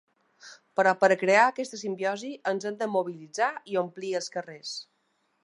Però per a crear aquesta simbiosi, ens hem de mobilitzar i omplir els carrers.